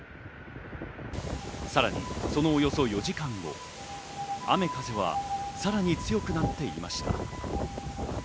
さらにそのおよそ４時間後、雨、風はさらに強くなっていました。